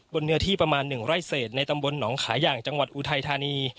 เนื้อที่ประมาณ๑ไร่เศษในตำบลหนองขาอย่างจังหวัดอุทัยธานี